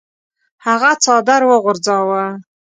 هغه څادر وغورځاوه.